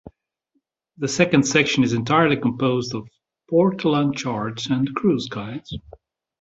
The second section is entirely composed of portolan charts and cruise guides.